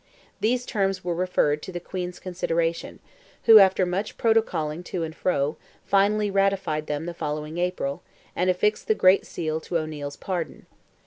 These terms were referred to the Queen's consideration, who, after much protocoling to and fro, finally ratified them the following April, and affixed the great seal to O'Neil's pardon.